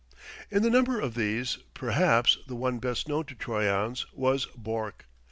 In the number of these, perhaps the one best known to Troyon's was Bourke.